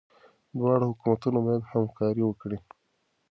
دواړه حکومتونه باید همکاري وکړي.